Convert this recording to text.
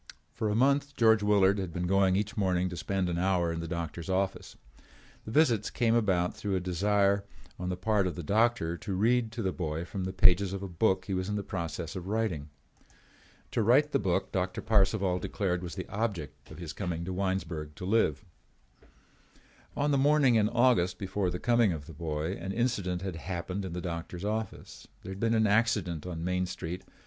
For a month George Willard had been going each morning to spend an hour in the doctor's office. The visits came about through a desire on the part of the doctor to read to the boy from the pages of a book he was in the process of writing. To write the book Doctor Parcival declared was the object of his coming to Winesburg to live. On the morning in August before the coming of the boy, an incident had happened in the doctor's office. There had been an accident on Main Street.